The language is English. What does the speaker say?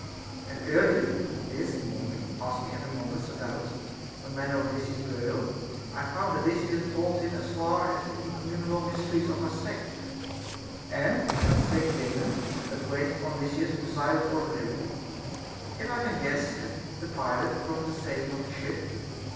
And early this morning, asking Epaminondas about the manner of Lysis's burial, I found that Lysis had taught him as far as the incommunicable mysteries of our sect ; and that the same Daemon that waited on Lysis presided over him, if I can guess at the pilot from the sailing of the ship.